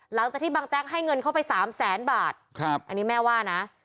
หลังจากที่บางแจ๊กให้เงินเข้าไปสามแสนบาทครับอันนี้แม่ว่านะ